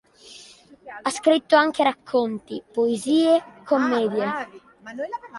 Ha scritto anche racconti, poesie, commedie.